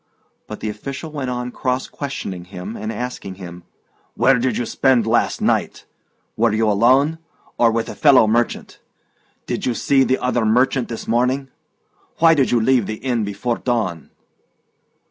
But the official went on cross questioning him and asking him. "Where did you spend last night? Were you alone, or with a fellow merchant? Did you see the other merchant this morning? Why did you leave the inn before dawn?"